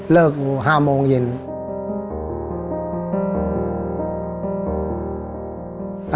เลิก๕โมงเย็น